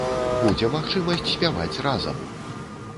Будзе магчымасць спяваць разам!